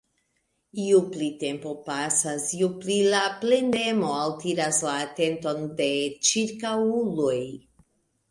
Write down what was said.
Ju pli tempo pasas, des pli la plendemo altiras la atenton de ĉirkaŭuloj.